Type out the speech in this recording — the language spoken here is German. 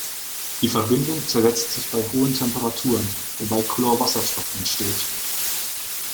Die Verbindung zersetzt sich bei hohen Temperaturen, wobei Chlorwasserstoff entsteht.